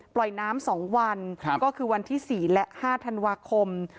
ปล่อยน้ำ๒วันก็คือวันที่๔และ๕ธันวาคม